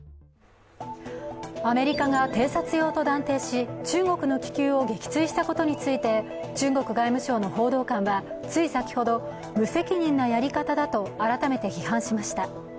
アメリカが偵察用と断定し、中国の気球を撃墜したことについて中国外務省の報道官はつい先ほど、無責任なやり方だと改めて批判しました。